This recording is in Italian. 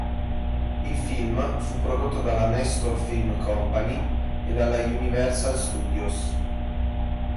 Il film fu prodotto dalla Nestor Film Company e dall'Universal Studios.